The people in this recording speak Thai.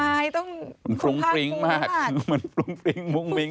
ไม่ต้องบุ๊งพริ้งมากบุ๊งพริ้งนิดหน่อย